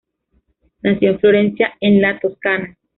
Nació en Florencia, en la Toscana.